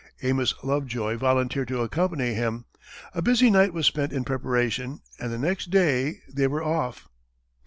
Amos Lovejoy volunteered to accompany him, a busy night was spent in preparation, and the next day they were off.